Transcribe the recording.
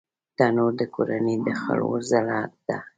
تنور د کورنۍ د خوړو زړه دی